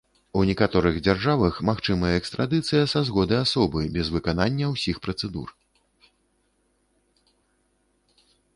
У некаторых дзяржавах магчымая экстрадыцыя са згоды асобы без выканання ўсіх працэдур.